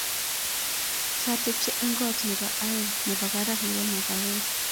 Kiatepchei eng koot nebo aeng nebo barak nebo mkaweet